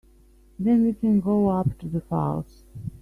Then we can go up to the falls.